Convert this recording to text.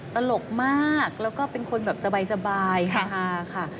ตลกมากแล้วก็เป็นคนแบบสบายฮาค่ะ